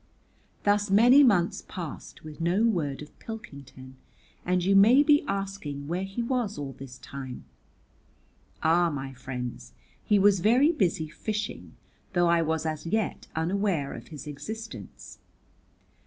Thus many months passed with no word of Pilkington, and you may be asking where he was all this time. Ah, my friends, he was very busy fishing, though I was as yet unaware of his existence.